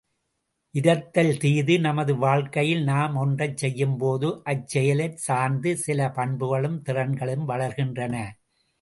இரத்தல் தீது நமது வாழ்க்கையில் நாம் ஒன்றைச் செய்யும்போது அச்செயலைச் சார்ந்து சில பண்புகளும் திறன்களும் வளர்கின்றன.